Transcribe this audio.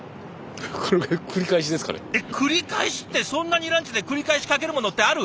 えっ繰り返しってそんなにランチで繰り返しかけるものってある？